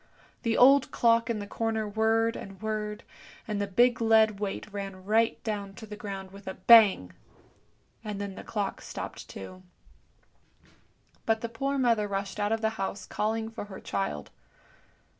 The old clock in the corner whirred and 270 THE STORY OF A MOTHER 271 whirred, and the big lead weight ran right down to the ground with a bang, and then the clock stopped too. But the poor mother rushed out of the house calling for her child.